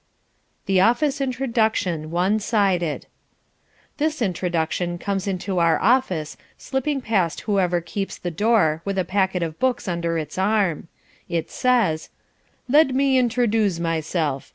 The Office Introduction, One sided This introduction comes into our office, slipping past whoever keeps the door with a packet of books under its arm. It says "Ledd me introduze myself.